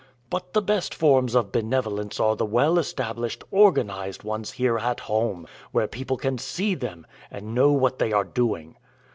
But the best forms of benevolence are the well established, organized ones here at home, where people can see them and know what they are doing."